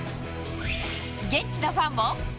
現地のファンも。